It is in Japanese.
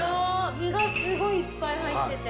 身がすごいいっぱい入ってて。